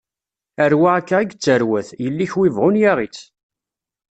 Rrwa akka i yettarwat, yelli-k wi bɣun yaɣ-itt.